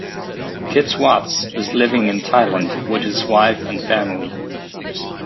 Kit Swartz is living in Thailand with his wife and family.